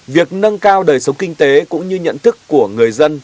việc nâng cao đời sống kinh tế cũng như nhận thức của người dân